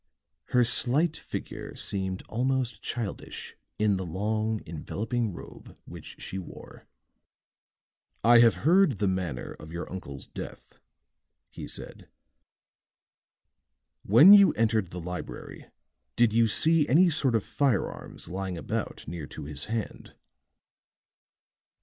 Her slight figure seemed almost childish in the long enveloping robe which she wore. "I have heard the manner of your uncle's death," he said. "When you entered the library did you see any sort of firearms lying about near to his hand?"